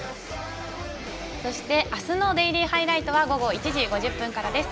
明日の「デイリーハイライト」は午後１時５０分からです。